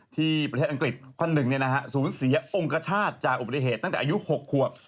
ที่ประเทศอังกฤษคนหนึ่งสูญเสียองคชาติจากอุบัติเหตุตั้งแต่อายุ๖ขวบ